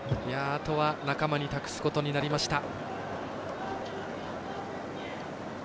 あとは仲間に託すことになりました。